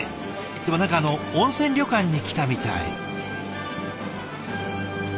でも何かあの温泉旅館に来たみたい。